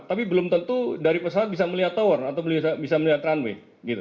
tapi belum tentu dari pesawat bisa melihat tower atau bisa melihat runway